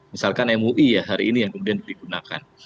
misalkan mui ya hari ini yang kemudian digunakan